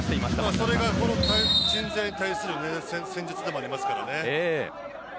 それがこの鎮西に対する戦術でもありますからね。